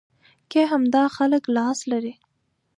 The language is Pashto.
کې همدا خلک لاس لري.